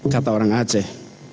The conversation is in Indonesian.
kata orang aceh